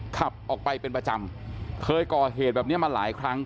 ขับออกไปเป็นประจำเคยก่อเหตุแบบนี้มาหลายครั้ง